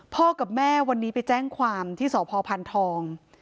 พ่อกับแม่วันนี้ไปแจ้งความที่สภพรภัณฑ์ทอง